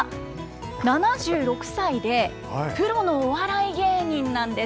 ７６歳でプロのお笑い芸人なんです。